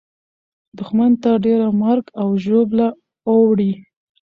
دښمن ته ډېره مرګ او ژوبله اوړي.